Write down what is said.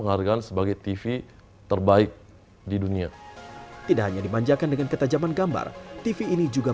penghargaan sebagai tv terbaik di dunia tidak hanya dimanjakan dengan ketajaman gambar tv ini juga